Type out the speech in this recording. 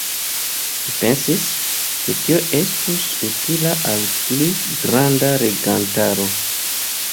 Mi pensis, ke tio estus utila al pli granda legantaro.